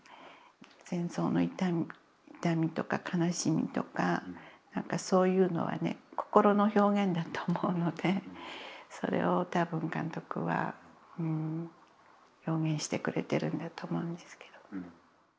戦争の痛みとか悲しみとかそういうのはね心の表現だと思うのでそれを多分監督は表現してくれてるんだと思うんですけど。